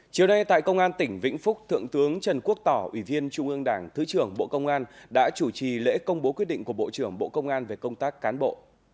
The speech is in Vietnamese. chiều nay tại công an tỉnh vĩnh phúc thượng tướng trần quốc tỏ ủy viên trung ương đảng thứ trưởng bộ công an đã chủ trì lễ công bố quyết định của bộ trưởng bộ công an về công tác cán bộ